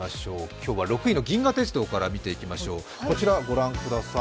今日は６位の銀河鉄道から見ていきましょう。